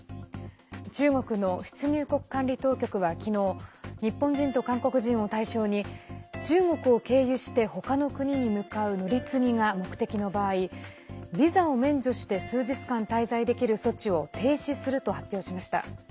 中国の出入国管理当局は昨日日本人と韓国人を対象に中国を経由して他の国に向かう乗り継ぎが目的の場合ビザを免除して数日間滞在できる措置を停止すると発表しました。